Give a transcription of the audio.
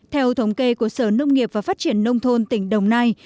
theo thống kê của sở nông nghiệp và phát triển nông thôn tỉnh đồng nai